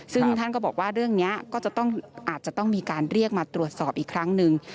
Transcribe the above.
ซึ่งท่านก็บอกว่าเรื่องนี้ก็จะต้องอาจจะต้องมีการเรียกมาตรวจสอบอีกครั้งหนึ่ง